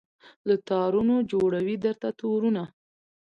له تارونو جوړوي درته تورونه